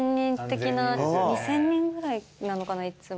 ２，０００人ぐらいなのかないつも。